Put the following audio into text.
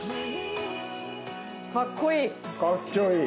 かっこいい！